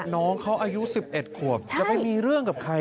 น้องเขาอายุ๑๑ขวบจะไปมีเรื่องกับใคร